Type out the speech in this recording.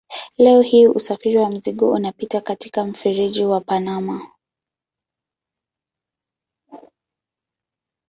Leo hii usafiri wa mizigo unapita katika mfereji wa Panama.